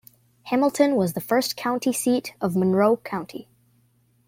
Hamilton was the first county seat of Monroe County.